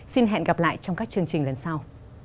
xin hẹn gặp lại trong các chương trình lần sau